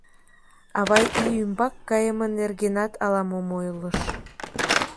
Ава ий ӱмбак кайыме нергенат ала-мом ойлыш...